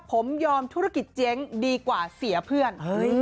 ผมยอมธุรกิจเจ๊งดีกว่าเสียเพื่อน